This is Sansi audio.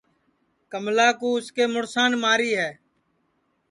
کملا کُو اُس کے مُڑسان ماری ہے